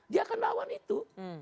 dia akan lawan itu